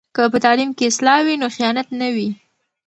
که په تعلیم کې اصلاح وي نو خیانت نه وي.